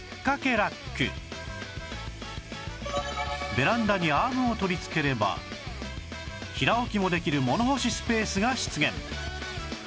ベランダにアームを取り付ければ平置きもできる物干しスペースが出現